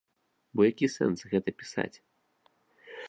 Бо які сэнс гэта пісаць?